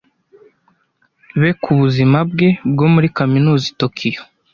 be ku buzima bwe bwo muri kaminuza i Tokiyo.